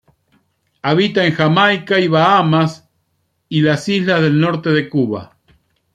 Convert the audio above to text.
Habita en Jamaica y Bahamas y las islas del norte de Cuba.